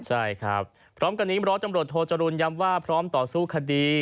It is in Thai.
ใช่ครับพร้อมกันนี้มร้อยจำรวจโทจรูลย้ำว่าพร้อมต่อสู้คดี